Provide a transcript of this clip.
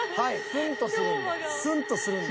［スンとするんだ］